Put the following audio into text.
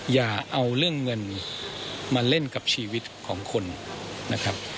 อย่าเอาเรื่องเงินมาเล่นกับชีวิตของคนนะครับ